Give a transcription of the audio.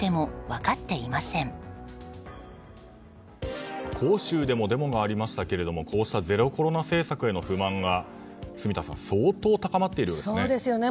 別の場所でもデモがありましたがこうしたゼロコロナ政策への不満が、住田さん相当高まっているんですね。